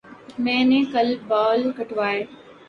میں نے کل بال کٹوائے